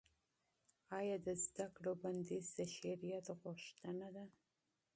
ایا د تعلیم بندیز د شرعیت غوښتنه ده؟